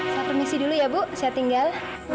saya permisi dulu ya bu saya tinggal